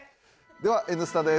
では「Ｎスタ」です。